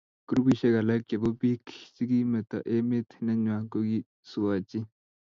Grupishek alak chebo bik chikimeto emet nenywa kokisuochi.